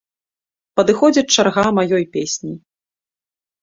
Падыходзіць чарга маёй песні.